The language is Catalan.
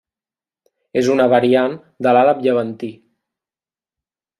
És una variant de l'àrab llevantí.